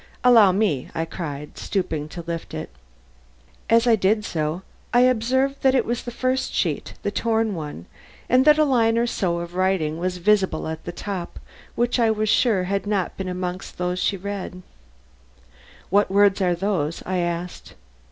"Allow me," I cried, stooping to lift it. As I did so I observed that it was the first sheet, the torn one and that a line or so of writing was visible at the top which I was sure had not been amongst those she had read. "What words are those?" I asked.